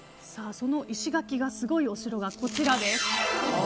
その石垣がすごいお城がこちら。